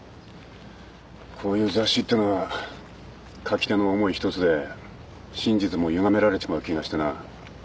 こういう雑誌ってのは書き手の思いひとつで真実もゆがめられちまう気がしてな。